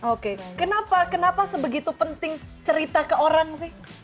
oke kenapa sebegitu penting cerita ke orang sih